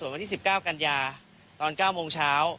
วันที่๑๙กันยาตอน๙โมงเช้า